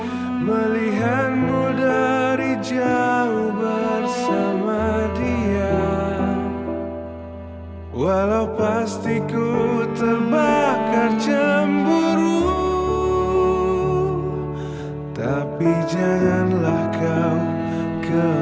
aku masih di dunia ini melihatmu dari jauh bersama dia walau pasti ku terbakar cemburu tapi janganlah kau kemana mana